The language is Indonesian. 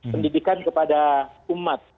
pendidikan kepada umat